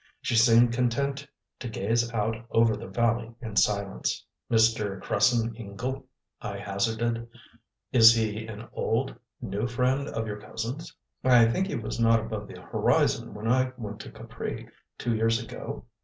She seemed content to gaze out over the valley in silence. "Mr. Cresson Ingle," I hazarded; "is he an old, new friend of your cousins? I think he was not above the horizon when I went to Capri, two years ago?"